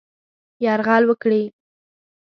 یرغل وکړي.